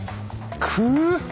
くっ。